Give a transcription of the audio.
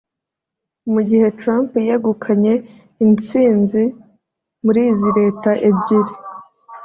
Mu gihe Trump yegukanye intsinzi muri izi leta ebyiri